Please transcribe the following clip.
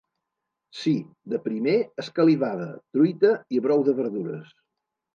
Sí, de primer, escalivada, truita i brou de verdures.